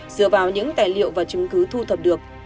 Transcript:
dựa vào những tài liệu và chứng cứ thu thập được